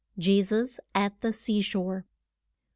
JESUS AT THE SEA SHORE.